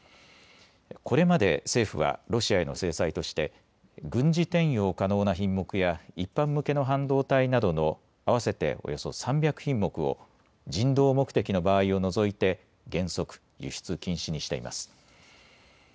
これまで政府はロシアへの制裁として軍事転用可能な品目や一般向けの半導体などの合わせておよそ３００品目を人道目的の場合を除いて原則、輸出禁止にしています。